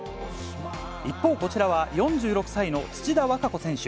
一方、こちらは４６歳の土田和歌子選手。